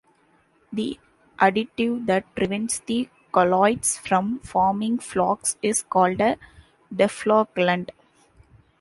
The additive that prevents the colloids from forming flocs is called a deflocculant.